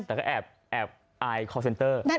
แต่ก็แอบอายคอลเซนเตอร์